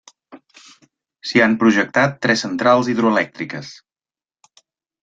S'hi han projectat tres centrals hidroelèctriques.